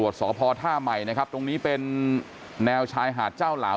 สพท่าใหม่นะครับตรงนี้เป็นแนวชายหาดเจ้าเหลา